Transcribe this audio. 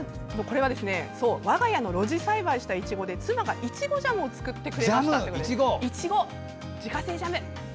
我が家で露地栽培したイチゴで妻がイチゴジャムを作ってくれましたということで自家製ジャム。